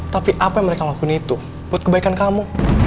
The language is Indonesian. tapi apa yang mereka lakuin itu buat kebaikan kamu